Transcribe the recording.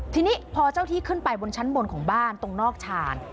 ทีนี้พอเจ้าที่ขึ้นไปบนชั้นบนของบ้านตรงนอกชาน